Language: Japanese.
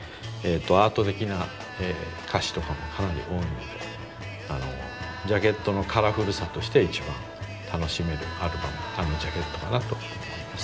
アート的な歌詞とかもかなり多いのでジャケットのカラフルさとして一番楽しめるジャケットかなと思います。